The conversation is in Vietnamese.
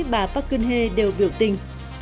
bà park geun hye đều biểu tình